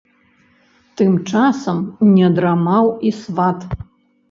Тым часам не драмаў і сват.